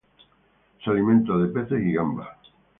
Se alimenta de peces y gambas.